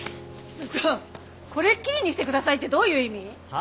ちょっとこれっきりにしてくださいってどういう意味？は？